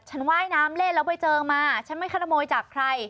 ว่ายน้ำเล่นแล้วไปเจอมาฉันไม่ขโมยจากใคร